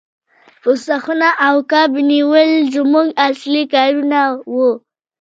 پوسته خونه او کب نیول زموږ اصلي کارونه وو